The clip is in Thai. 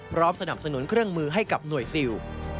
สนับสนุนเครื่องมือให้กับหน่วยซิล